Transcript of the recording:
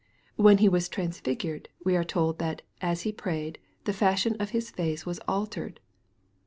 When He was transfigured, we are told, that " as He prayed, the fashion of His face was altered."